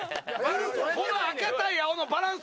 この赤対青のバランス